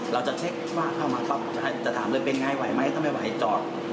เราจะเช็คว่าเข้ามาปั๊บจะถามเลยเป็นไงไหวไหมถ้าไม่ไหวจอด